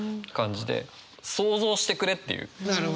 想像してくれっていう。